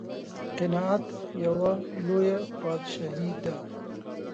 قناعت یوه لویه بادشاهي ده.